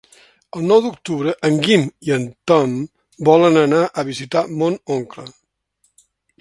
El nou d'octubre en Guim i en Tom volen anar a visitar mon oncle.